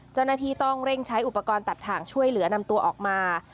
เจ้าหน้าที่ต้องเร่งใช้อุปกรณ์ตัดถ่างช่วยเหลือนำตัวออกมา